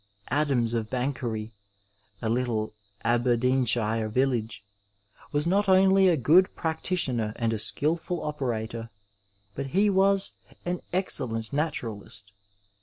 Adams, of Banchory (a littie Aberdeenshire village), was not only a good practi tioner and a skilful operator, but he was an excellent naturalist.